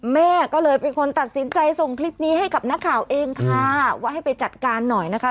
แม่ก็เลยเป็นคนตัดสินใจส่งคลิปนี้ให้กับนักข่าวเองค่ะว่าให้ไปจัดการหน่อยนะคะ